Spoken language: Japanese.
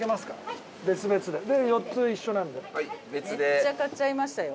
めっちゃ買っちゃいましたよ。